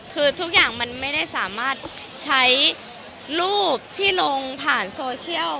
คือทุกอย่างมันไม่ได้สามารถใช้รูปที่ลงผ่านโซเชียล